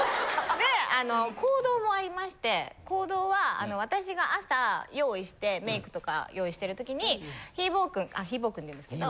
であの行動もありまして行動は私が朝用意してメイクとか用意してる時にひーぼぉくんあっひーぼぉくんていうんですけど。